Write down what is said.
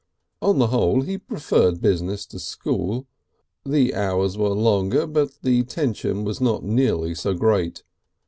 On the whole he preferred business to school; the hours were longer but the tension was not nearly so great.